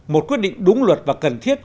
một quyết định đúng luật và cần thiết